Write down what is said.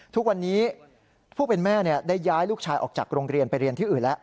ทุกวันนี้ผู้เป็นแม่ได้ย้ายลูกชายออกจากโรงเรียนไปเรียนที่อื่นแล้ว